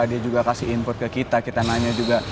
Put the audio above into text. dia juga kasih input ke kita kita nanya juga